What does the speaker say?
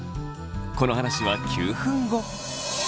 この話は９分後。